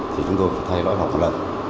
thì chúng tôi phải thay lọc một lần